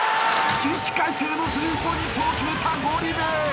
［起死回生のスリーポイントを決めたゴリ部］